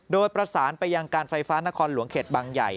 โดยประสานไปยังการไฟฟ้านครหลวงเขตบางใหญ่